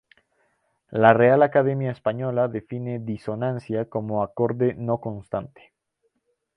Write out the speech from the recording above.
La Real Academia Española define disonancia como "acorde no consonante".